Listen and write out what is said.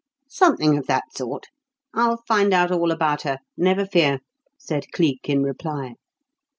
"Something of that sort. I'll find out all about her, never fear," said Cleek in reply.